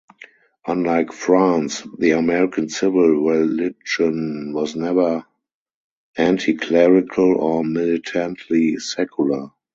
Unlike France, the American civil religion was never anticlerical or militantly secular.